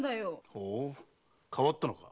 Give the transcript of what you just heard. ほう変わったのか？